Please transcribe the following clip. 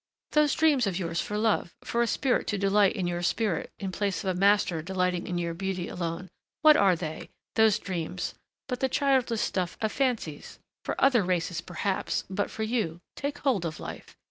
"Those dreams of yours for love, for a spirit to delight in your spirit in place of a master delighting in your beauty alone, what are they, those dreams, but the childish stuff of fancies? For other races, perhaps but for you, take hold of life.